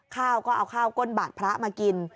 ข้าวก็เอาข้าวก้นบาทพระมากิน